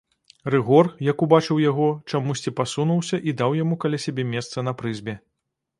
Рыгор, як убачыў яго, чамусьці пасунуўся і даў яму каля сябе месца на прызбе.